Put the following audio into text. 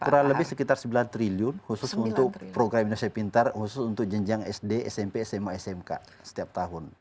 kurang lebih sekitar sembilan triliun khusus untuk program indonesia pintar khusus untuk jenjang sd smp sma smk setiap tahun